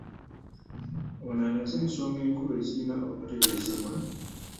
Ono alaze ensonga enkulu ezirina okutereezebwa